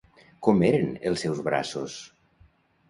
Com eren els seus braços?